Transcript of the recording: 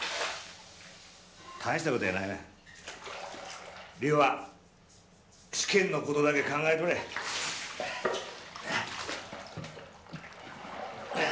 大したことやないわ梨央は試験のことだけ考えとれあ